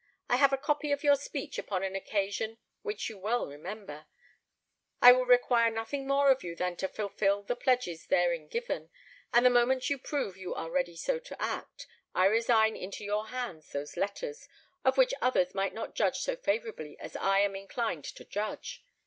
I have a copy of your speech upon an occasion which you well remember; I will require nothing more of you than to fulfil the pledges therein given, and the moment you prove you are ready so to act, I resign into your hands those letters, of which others might not judge so favourably as I am inclined to judge.